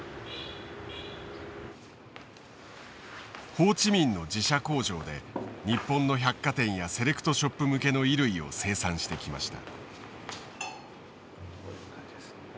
ホーチミンの自社工場で日本の百貨店やセレクトショップ向けの衣類を生産してきました。